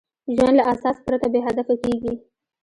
ژوند له اساس پرته بېهدفه کېږي.